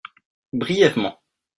Brièvement.